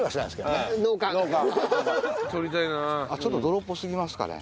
ちょっと泥濃すぎますかね。